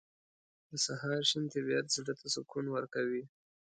• د سهار شین طبیعت زړه ته سکون ورکوي.